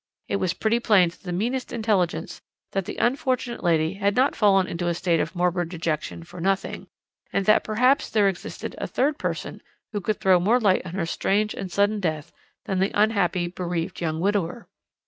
It was pretty plain to the meanest intelligence that the unfortunate lady had not fallen into a state of morbid dejection for nothing, and that perhaps there existed a third person who could throw more light on her strange and sudden death than the unhappy, bereaved young widower.